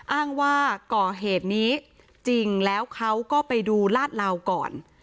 อ้างว่าก่อเหตุนี้จริงแล้วเขาก็ไปดูลาดเหลาก่อน